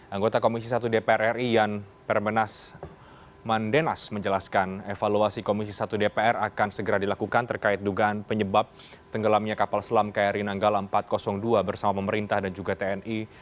anggota komisi satu dpr ri yan permenas mandenas menjelaskan evaluasi komisi satu dpr akan segera dilakukan terkait dugaan penyebab tenggelamnya kapal selam kri nanggala empat ratus dua bersama pemerintah dan juga tni